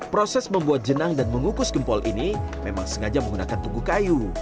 proses membuat jenang dan mengukus gempol ini memang sengaja menggunakan tungku kayu